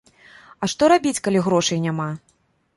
А што рабіць, калі грошай няма?